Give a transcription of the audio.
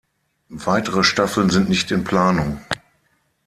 Weitere Staffeln sind nicht in Planung.